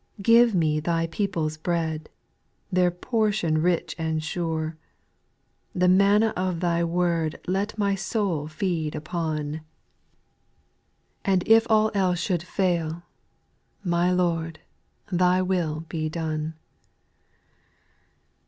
Give me Thy people's bread, Their portion rich and sure. The manna of Thy word Let my soul feed upo\i\ 12* I 188 SPIRITUAL SONGS, And if all else should fail, — My Lord, Thy will be done